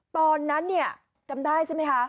ตอนนั้นจำได้ใช่ไหมคะ